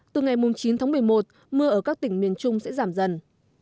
từ ngày chín tháng một mươi một mưa ở các tỉnh miền trung sẽ giảm dần